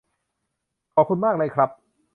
ขอบคุณมากเลยครับ